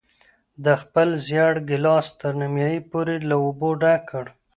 ده خپل زېړ ګیلاس تر نیمايي پورې له اوبو ډک کړ.